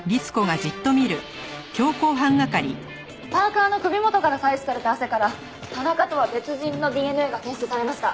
パーカの首元から採取された汗から田中とは別人のＤＮＡが検出されました。